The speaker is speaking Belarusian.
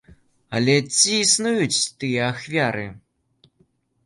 Але ці існуюць тыя ахвяры?